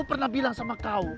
pernah bilang sama kau